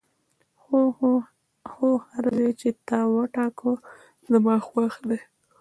هو، هر ځای چې تا وټاکه زما خوښ دی.